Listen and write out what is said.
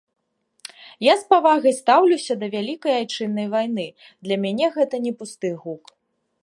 Я з павагай стаўлюся да вялікай айчыннай вайны, для мяне гэта не пусты гук.